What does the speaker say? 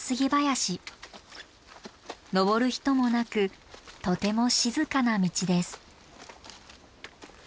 登る人もなくとても静かな道です。